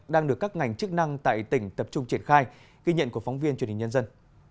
đang được các ngành chức năng tại tỉnh tập trung triển khai ghi nhận của phóng viên truyền hình nhân dân